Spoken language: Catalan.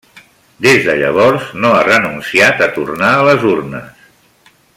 Des de llavors, no ha renunciat a tornar a les urnes.